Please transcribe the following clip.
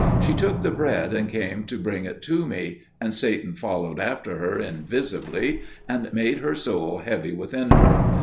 She took the bread and came to bring it to me, and Satan followed after her invisibly, and made her soul heavy within her.